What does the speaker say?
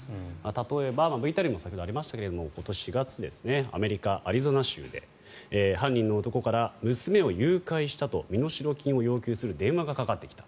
例えば、ＶＴＲにも先ほどありましたけども今年４月アメリカ・アリゾナ州で犯人の男から、娘を誘拐したと身代金を要求する電話がかかってきた。